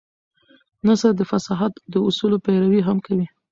نثر د فصاحت د اصولو پيروي هم کوي.